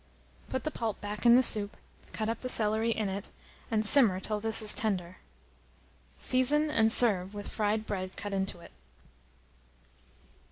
Put the pulp back in the soup, cut up the celery in it, and simmer till this is tender. Season, and serve with fried bread cut into it.